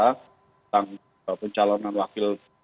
tentang pencalonan wakil